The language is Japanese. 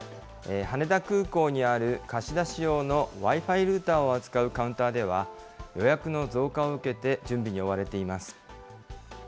羽田空港にある貸し出し用のＷｉ−Ｆｉルーターを扱うカウンターでは、予約の増加を受けて準備に追われています。